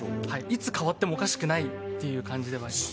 いつ変わってもおかしくないっていう感じではあります